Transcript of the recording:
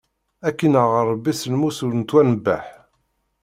Ad k-ineɣ Ṛebbi s lmus ur nettwanebbeh!